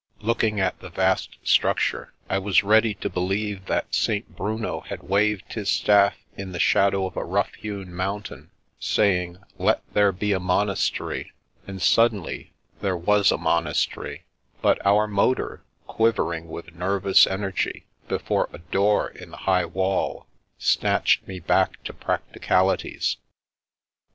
Looking at the vast structure, I was ready to believe that St. Bruno had waved his staff in the shadow of a rough hewn mountain, saying :" Let there be a monastery," and suddenly, there was a monastery; but our motor, quivering with ner vous energy before a door in the high wall, snatched me back to practicalities.